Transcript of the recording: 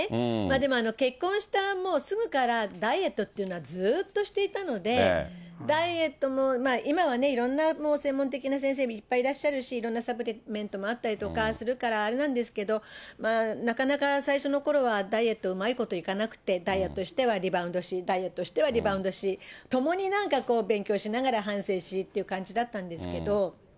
でも結婚したもうすぐから、ダイエットというのは、ずーっとしていたので、ダイエットも今はね、いろんな専門的な先生、いっぱいいらっしゃるし、いろんなサプリメントもあったりとかするからあれなんですけど、なかなか最初のころはダイエットうまいこといかなくて、ダイエットしてはリバウンドし、ダイエットしてはリバウンドし、共になんかこう、勉強しながら反省しって感じだったんですけど。